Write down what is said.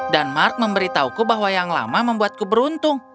dan mark memberitahuku bahwa yang lama membuatku beruntung